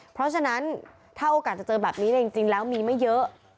เพราะฉะนั้นถ้าโอกาสจะเจอแบบนี้จริงแล้วมีไม่เยอะ